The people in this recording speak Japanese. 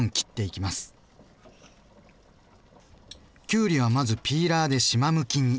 きゅうりはまずピーラーでしまむきに。